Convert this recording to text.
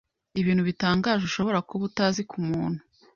ibintu bitangaje ushobora kuba utazi ku muntu